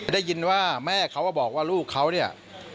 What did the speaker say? ได้ยินว่าแม่เขาก็บอกว่าลูกเขาเนี่ย